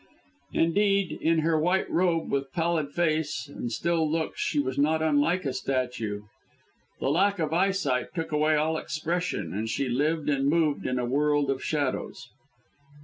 Indeed, in her white robe, with pallid face and still looks, she was not unlike a statue. The lack of eyesight took away all expression, and she lived and moved in a world of shadows.